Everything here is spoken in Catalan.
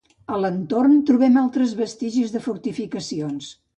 A l'entorn trobem altres vestigis de fortificacions.